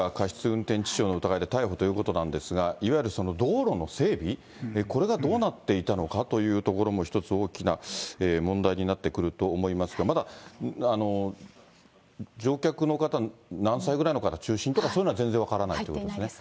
運転致傷の疑いで逮捕ということなんですが、いわゆる道路の整備、これがどうなっていたのかというところも一つ、大きな問題になってくると思いますが、まだ乗客の方、何歳ぐらいの方中心とか、そういうのは全然分からないっていうことですね。